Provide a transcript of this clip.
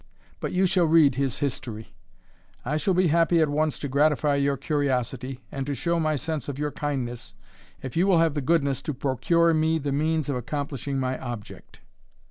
But you shall read his history. I shall be happy at once to gratify your curiosity, and to show my sense of your kindness, if you will have the goodness to procure me the means of accomplishing my object."